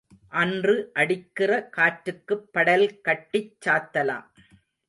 அன்று அடிக்கிற காற்றுக்குப் படல் கட்டிச் சாத்தலாம்.